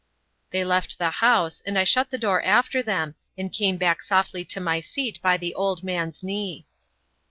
They left the house, and I shut the door after them, and came back softly to my seat by the old man's knee.